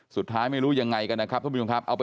สุดท้ายไม่รู้ยังไงกันนะครับทุกผู้ชมครับ